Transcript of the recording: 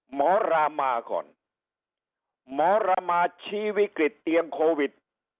หมอรามาก่อนหมอระมาชี้วิกฤตเตียงโควิด